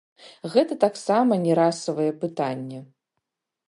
Гэта таксама не расавае пытанне.